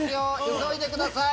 急いでください。